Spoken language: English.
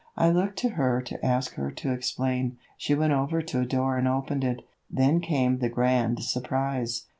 I looked to her to ask her to explain. She went over to a door and opened it. Then came the grand surprise!